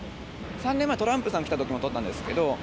３年前、トランプさん来たとき撮ったんですけど。